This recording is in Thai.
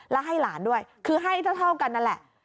แล้วให้หลานด้วยคือให้เท่ากันนั่นแหละ